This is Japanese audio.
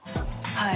はい。